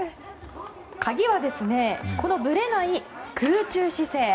鍵はこのブレのない空中姿勢。